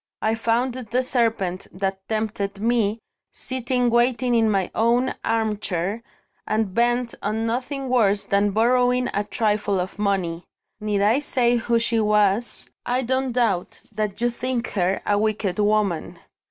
I found the serpent that tempted Me, sitting waiting in my own armchair, and bent on nothing worse than borrowing a trifle of money. Need I say who she was? I don't doubt that you think her a wicked woman."